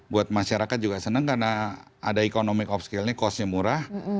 buat masyarakat juga senang karena ada economic off skill nya cost nya murah